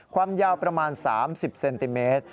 ความยาวประมาณ๓๐เซนติเมตร